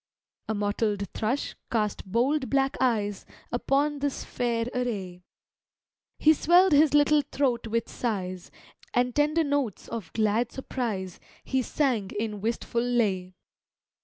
A mottled thrush cast bold black eyes Upon this fair array, He swell'd his little throat with sighs, And tender notes of glad surprise He sang in wistful lay.